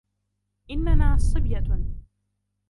إننا صبية.